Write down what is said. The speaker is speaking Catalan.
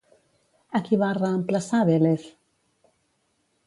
A qui va reemplaçar Vélez?